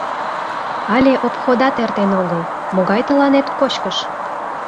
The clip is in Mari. — Але обходат эртен огыл, могай тыланет кочкыш?